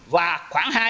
và khoảng hai